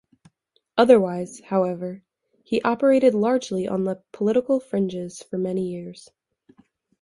Otherwise, however, he operated largely on the political fringes for many years.